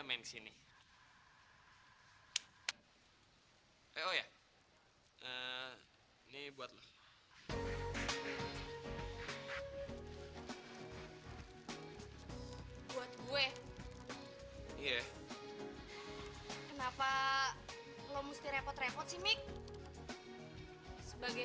ke sini ya oh ya ini buat lo buat gue iya kenapa lo musti repot repot simik sebagai